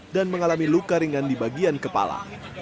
dan mengalami luka ringan di bagian kepala